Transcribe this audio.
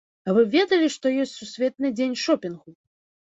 А вы ведалі, што ёсць сусветны дзень шопінгу?